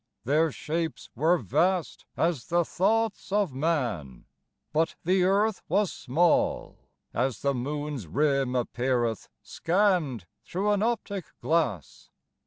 Their shapes were vast as the thoughts of man, But the Earth was small As the moon's rim appeareth Scann'd through an optic glass.